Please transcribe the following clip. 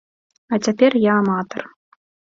А цяпер я аматар.